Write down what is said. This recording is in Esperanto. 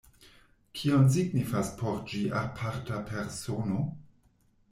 Kion signifas por ĝi aparta persono?